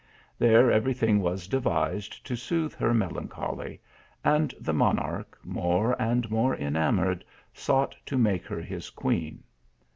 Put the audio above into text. There eveiy thing was devised to sooth her melancholy, and the monarch, more and more enamoured, sought to make her his queen.